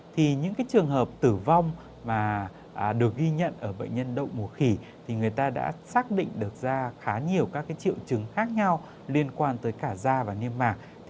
thì những trường hợp tử vong mà được ghi nhận ở bệnh nhân đậu mùa khỉ thì người ta đã xác định được ra khá nhiều các triệu chứng khác nhau liên quan tới cả da và niêm mạc